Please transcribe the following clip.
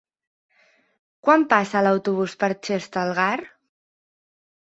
Quan passa l'autobús per Xestalgar?